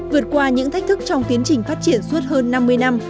vượt qua những thách thức trong tiến trình phát triển suốt hơn năm mươi năm